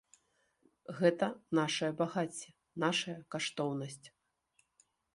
Гэта нашае багацце, нашая каштоўнасць.